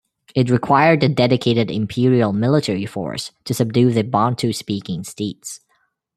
It required a dedicated imperial military force to subdue the Bantu-speaking states.